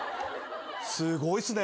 すごいっすね。